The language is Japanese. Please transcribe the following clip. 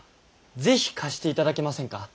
ぜひ貸していただけませんか？